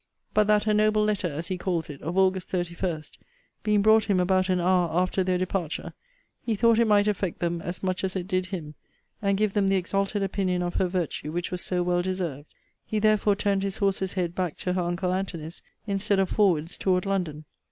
'But that her noble letter,' as he calls it, of Aug. 31,* 'being brought him about an hour after their departure, he thought it might affect them as much as it did him; and give them the exalted opinion of her virtue which was so well deserved; he therefore turned his horse's head back to her uncle Antony's, instead of forwards toward London.